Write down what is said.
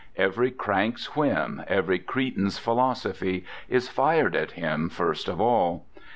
Every crank's whim, every cretin's philosophy, is fired at him first of all.